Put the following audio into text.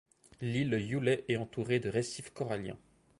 L'île Yule est entouré de récifs coralliens.